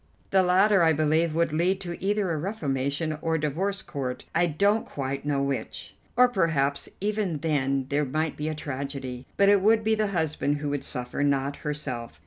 The latter, I believe, would lead to either a reformation or the divorce court, I don't quite know which. Or perhaps even then there might be a tragedy; but it would be the husband who would suffer, not herself.